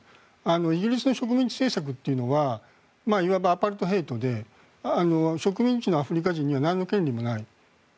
イギリスの植民地政策というのはいわばアパルトヘイトで植民地のアフリカ人にはなんの権利もない。